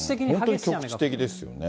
本当に局地的ですよね。